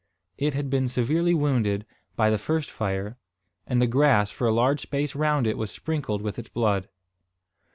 It had been severely wounded by the first fire, and the grass for a large space round it was sprinkled with its blood.